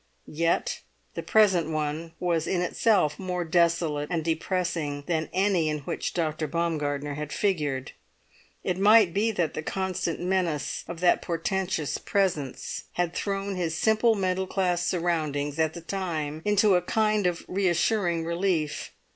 Yet the present one was in itself more desolate and depressing than any in which Dr. Baumgartner had figured. It might be that the constant menace of that portentous presence had thrown his simple middle class surroundings, at the time, into a kind of reassuring relief.